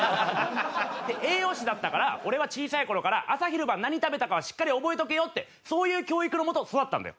栄養士だったから俺は小さい頃から朝昼晩何食べたかはしっかり覚えとけよってそういう教育のもと育ったんだよ。